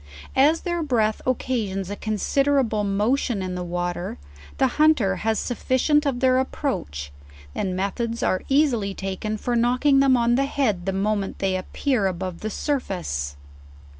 As their breath occasions a considerable motion in the water, the hunter has sufficient of their approach, and methods are ea sily taken for knocking them on the head the moment they appear above the surface.